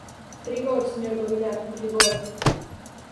¡Rigor, señor do Vilar; rigor!